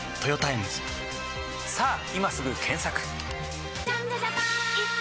さぁ今すぐ検索！